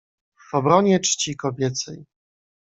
"W obronie czci kobiecej."